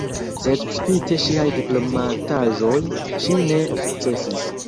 Sed spite ŝiaj diplomataĵoj ŝi ne sukcesis.